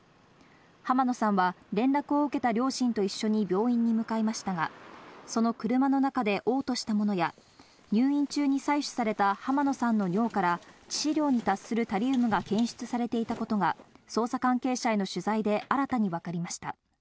浜野さんは連絡を受けた両親と一緒に病院に向かいましたが、その車の中で嘔吐したものや、入院中に採取された浜野さんの尿から、致死量に達するタリウムが検出されていたことが捜査関係者への取材で新たに分かりました。